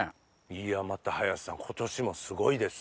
いやまた林さん今年もすごいです。